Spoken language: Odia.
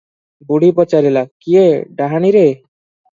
ବୁଢୀ ପଚାରିଲା - କିଏ ଡାହାଣୀରେ?